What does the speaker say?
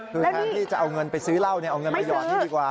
คือแทนที่จะเอาเงินไปซื้อเหล้าเอาเงินมาหยอดนี่ดีกว่า